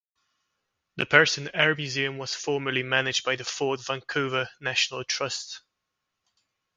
The Pearson Air Museum was formerly managed by the Fort Vancouver National Trust.